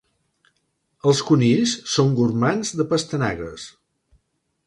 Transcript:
Els conills són gormands de pastanagues.